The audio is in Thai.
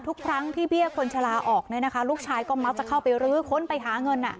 ทุกครั้งที่เบี้ยคนชะลาออกเนี่ยนะคะลูกชายก็มักจะเข้าไปรื้อค้นไปหาเงิน